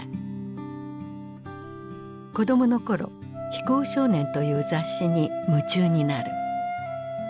子どもの頃「飛行少年」という雑誌に夢中になる。